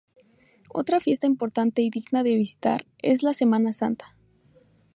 Otra fiesta importante y digna de visitar, es la Semana Santa.